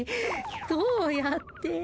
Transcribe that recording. どうやって。